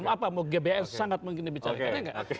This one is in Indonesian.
mau gbs sangat mungkin dibicarakan ya nggak